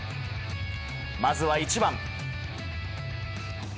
まずは１番。